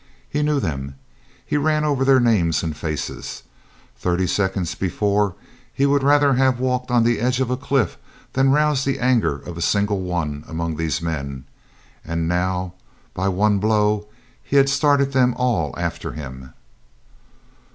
He knew them. He ran over their names and faces. Thirty seconds before he would rather have walked on the edge of a cliff than rouse the anger of a single one among these men, and now, by one blow, he had started them all after him.